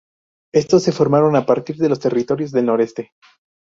Estos se formaron a partir de los Territorios del Noroeste.